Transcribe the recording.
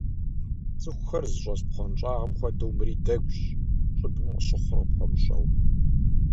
ЦӀыхухэр зыщӀэс бгъуэнщӀагъым хуэдэу, мыри дэгущ, щӀыбым къыщыхъур къыпхуэмыщӀэу.